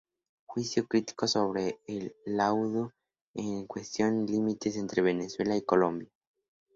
Juicio crítico sobre el laudo en la cuestión límites entre Venezuela y Colombia.